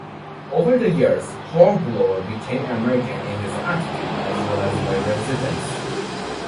Over the years, Hornblower became American in his attitude as well as by residence.